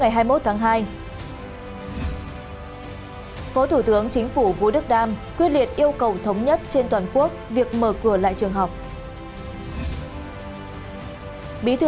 hãy đăng ký kênh để ủng hộ kênh của chúng mình nhé